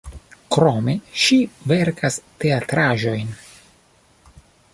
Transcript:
Krome ŝi verkas teatraĵojn.